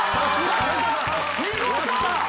見事！